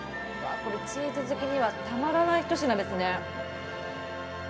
チーズ好きにはたまらないひと品ですね。